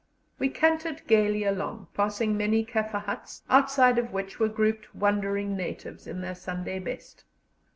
We cantered gaily along, passing many Kaffir huts, outside of which were grouped wondering natives, in their Sunday best.